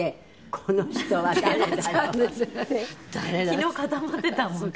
昨日固まってたもんね。